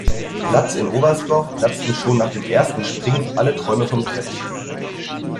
Platz in Oberstdorf platzten schon nach dem ersten Springen alle Träume vom Treppchen.